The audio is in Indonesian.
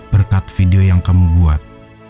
berkat video yang kamu buat